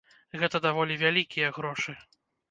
Гэта даволі вялікія грошы.